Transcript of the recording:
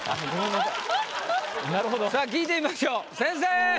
さぁ聞いてみましょう先生。